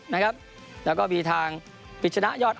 และเป็นพิษณะยอดอาร์ด